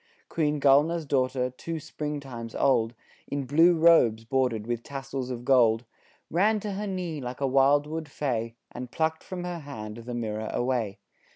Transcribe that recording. Queen Gulnaar's daughter two spring times old, In blue robes bordered with tassels of gold, Ran to her knee like a wildwood fay, And plucked from her hand the mirror away.